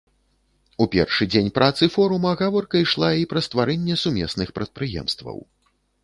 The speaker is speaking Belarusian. У першы дзень працы форума гаворка ішла і пра стварэнне сумесных прадпрыемстваў.